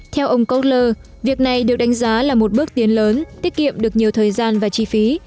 theo ông cortler việc này được đánh giá là một bước tiến lớn tiết kiệm được nhiều thời gian và chi phí